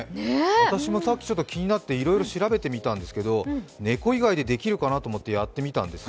私もさっき気になっていろいろ調べてみたんですけど猫以外で、できるかなと思ってやってみたんです。